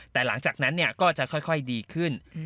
แต่หลังจากนั้นก็จะค่อยดีขึ้น